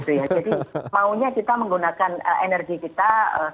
jadi maunya kita menggunakan energi kita